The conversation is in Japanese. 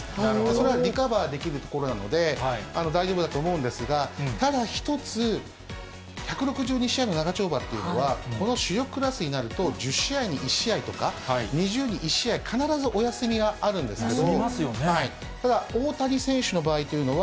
それはリカバーできるところなので、大丈夫だと思うんですが、ただ一つ、１６２試合の長丁場というのは、この主力クラスになると、１０試合に１試合とか、２０に１試合、必ずお休みがあるんですけど。